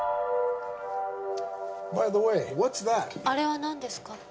「あれはなんですか？」。